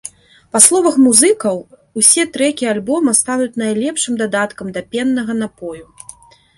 Па словах музыкаў, усе трэкі альбома стануць найлепшым дадаткам да пеннага напою.